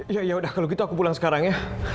ya yaudah kalau gitu aku pulang sekarang ya